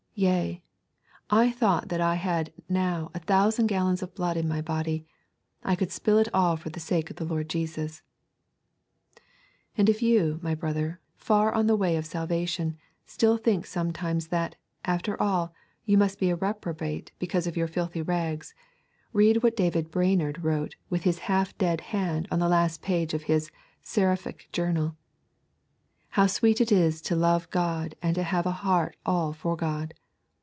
Yea, I thought that had I now a thousand gallons of blood in my body, I could spill it all for the sake of the Lord Jesus.' And if you, my brother, far on in the way of Salvation, still think sometimes that, after all, you must be a reprobate because of your filthy rags, read what David Brainerd wrote with his half dead hand on the last page of his seraphic journal: 'How sweet it is to love God and to have a heart all for God!